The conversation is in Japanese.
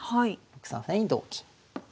６三歩成に同金。